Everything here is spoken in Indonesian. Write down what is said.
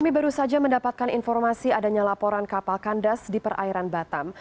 kami baru saja mendapatkan informasi adanya laporan kapal kandas di perairan batam